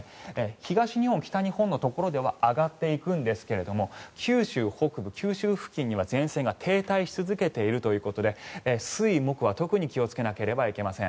東日本、北日本のところでは上がっていくんですが九州北部、九州付近には前線が停滞し続けているということで水木は特に気をつけなければなりません。